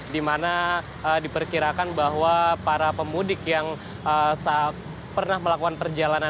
di mana diperkirakan bahwa para pemudik yang pernah melakukan perjalanan